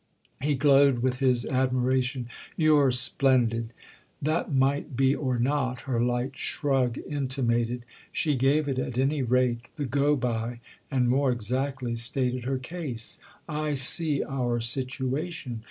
He glowed with his admiration. "You're splendid!" That might be or not, her light shrug intimated; she gave it, at any rate, the go by and more exactly stated her case. "I see our situation."